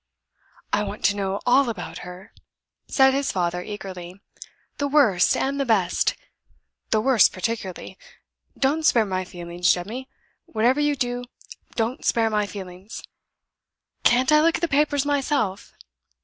"I want to know all about her," said his father, eagerly. "The worst, and the best the worst particularly. Don't spare my feelings, Jemmy whatever you do, don't spare my feelings! Can't I look at the papers myself?"